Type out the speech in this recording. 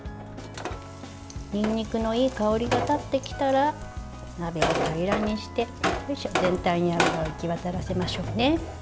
にんにくのいい香りが立ってきたら鍋を平らにして全体に油をいきわたらせましょうね。